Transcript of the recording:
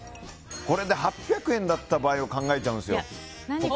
これで８００円だった場合を考えちゃうんですよ。